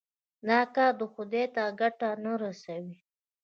دا کار خدای ته ګټه نه رسوي.